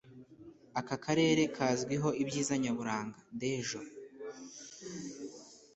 Aka karere kazwiho ibyiza nyaburanga (Dejo)